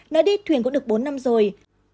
nói đi thuyền cũng được bốn năm rồi